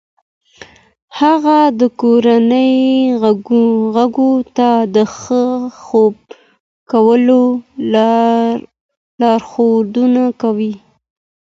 هغه د کورنۍ غړو ته د ښه خوب کولو لارښوونه کوي.